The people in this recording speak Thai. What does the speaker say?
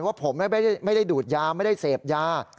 ว่าผมไม่ได้ดูดยาไม่ได้เสพยา